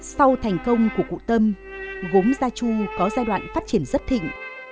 sau thành công của cụ tâm gốm gia chu có giai đoạn phát triển rất thịnh